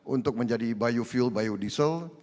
untuk menjadi biofuel biodiesel